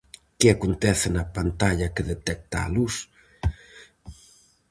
Que acontece na pantalla que detecta a luz?